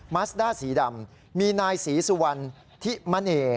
มัสด้าสีดำมีนายสีสุวรรค์ที่มะเนย